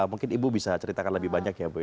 mungkin ibu bisa ceritakan lebih banyak ya bu ya